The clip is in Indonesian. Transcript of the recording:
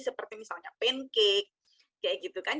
seperti misalnya pancake kayak gitu kan